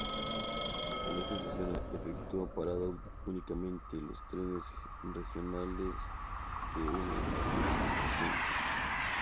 En esta estación efectúan parada únicamente los trenes regionales que unen Madrid con Cuenca.